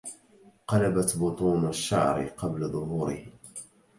قلبت بطون الشعر قبل ظهورِه